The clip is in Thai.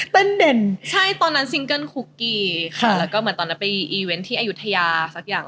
เด่นใช่ตอนนั้นซิงเกิ้ลคุกกี้ค่ะแล้วก็เหมือนตอนนั้นไปอีเวนต์ที่อายุทยาสักอย่าง